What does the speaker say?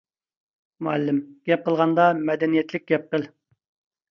مۇئەللىم : گەپ قىلغاندا مەدەنىيەتلىك گەپ قىل.